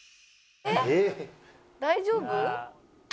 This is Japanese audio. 大丈夫？